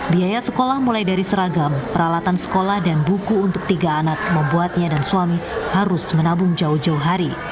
biaya sekolah mulai dari seragam peralatan sekolah dan buku untuk tiga anak membuatnya dan suami harus menabung jauh jauh hari